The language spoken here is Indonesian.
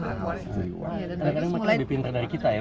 mungkin lebih pinter dari kita ya